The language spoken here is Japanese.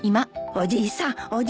おじいさん。